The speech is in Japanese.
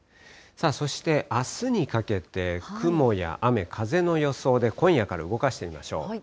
そして、あすにかけて雲や雨、風の予想で、今夜から動かしてみましょう。